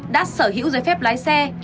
đã sở hữu giấy phép lái xe